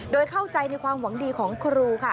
โดยเข้าใจในความหวังดีของครูค่ะ